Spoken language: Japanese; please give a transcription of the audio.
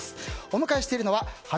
お迎えしているのは花